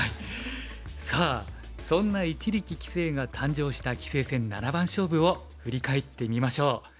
さあそんな一力棋聖が誕生した棋聖戦七番勝負を振り返ってみましょう。